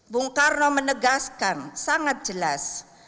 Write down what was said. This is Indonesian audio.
bung karno menegaskan sangat jelas